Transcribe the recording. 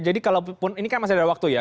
jadi kalau pun ini kan masih ada waktu ya